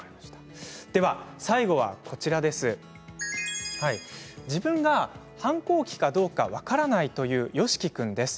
最後は自分が反抗期かどうか分からないというよしき君です。